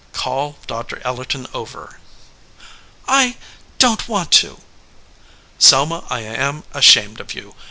"Call Doctor Ellerton over." "I don t want to." "Selma, I am ashamed of you.